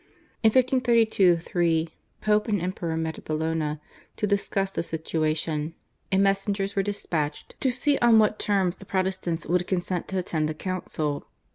In 1532 3 Pope and Emperor met at Bologna to discuss the situation, and messengers were despatched to see on what terms the Protestants would consent to attend the Council.